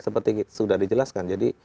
seperti sudah dijelaskan jadi